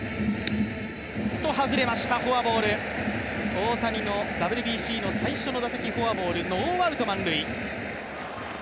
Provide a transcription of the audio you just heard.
大谷のＷＢＣの最初の打席フォアボール、ノーアウト満塁。